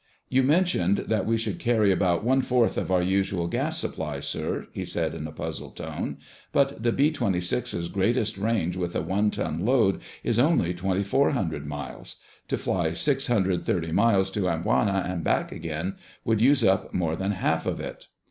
"You mentioned that we should carry about one fourth of our usual gas supply, sir," he said in a puzzled tone. "But the B 26's greatest range with a one ton load is only twenty four hundred miles. To fly six hundred thirty miles to Amboina and back again would use up more than half of it."